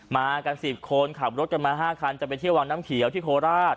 มากัน๑๐คนขับรถกันมา๕คันจะไปเที่ยววังน้ำเขียวที่โคราช